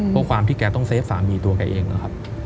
เพราะความที่แกต้องเฟฟสามีตัวแกเองนะครับ